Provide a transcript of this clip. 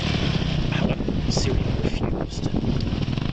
However, Syria refused.